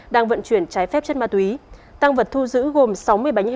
đang vận chuyển trái phép chất ma túy